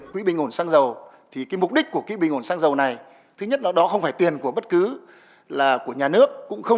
quỹ bình ổn xăng dầu thì mục đích của quỹ bình ổn xăng dầu này thứ nhất là đó không phải tiền của bất cứ nhà nước